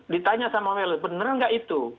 ditanya sama welles bener nggak itu